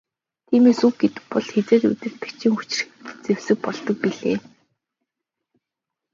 Тиймээс үг гэдэг бол хэзээд удирдагчийн хүчирхэг зэвсэг болдог билээ.